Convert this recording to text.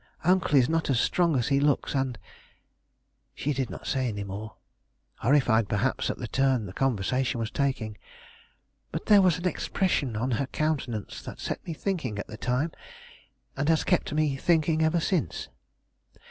Uncle is not as strong as he looks and " She did not say any more, horrified perhaps at the turn the conversation was taking. But there was an expression on her countenance that set me thinking at the time, and has kept me thinking ever since.